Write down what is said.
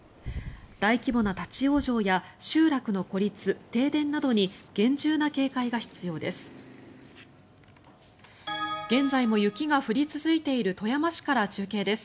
大規模な立ち往生や集落の孤立、停電などに厳重な警戒が必要です。